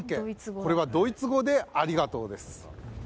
これはドイツ語でありがとうです。